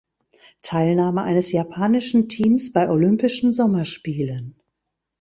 Teilnahme eines japanischen Teams bei Olympischen Sommerspielen.